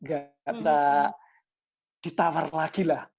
nggak bisa ditawar lagi lah